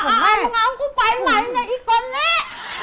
คุณเอากูไปไหนไอ้แกนี่